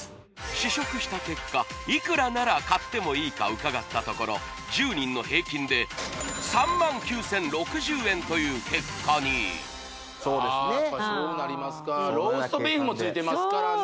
試食した結果いくらなら買ってもいいか伺ったところ１０人の平均で３万９０６０円という結果にそうですねああやっぱそうなりますかローストビーフも付いてますからね